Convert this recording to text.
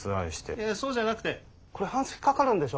いやそうじゃなくてこれ半月かかるんでしょ？